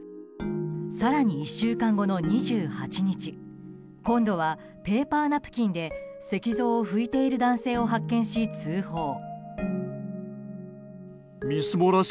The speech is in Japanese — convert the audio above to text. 更に１週間後の２８日今度はペーパーナプキンで石像を拭いている男性を発見し通報。